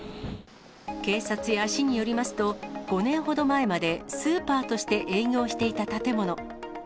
警察や市によりますと、５年ほど前までスーパーとして営業していた建物。